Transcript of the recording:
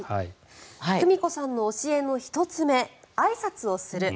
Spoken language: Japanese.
久美子さんの教えの１つ目あいさつをする。